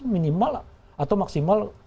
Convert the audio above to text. minimal atau maksimal